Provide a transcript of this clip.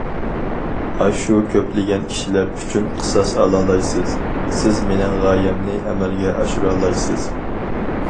ئاشۇ كۆپلىگەن كىشىلەر ئۈچۈن قىساس ئالالايسىز، سىز مېنىڭ غايەمنى ئەمەلگە ئاشۇرالايسىز!...